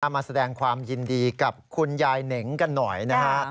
มาแสดงความยินดีกับคุณยายเหน่งกันหน่อยนะฮะ